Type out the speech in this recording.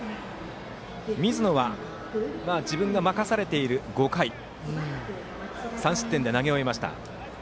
水野は自分が任されている５回を３失点で投げ終えました。